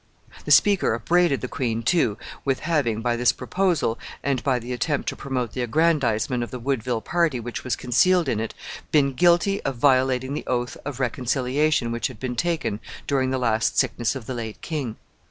The speaker upbraided the queen, too, with having, by this proposal, and by the attempt to promote the aggrandizement of the Woodville party which was concealed in it, been guilty of violating the oath of reconciliation which had been taken during the last sickness of the late king.